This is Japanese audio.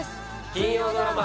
金曜ドラマ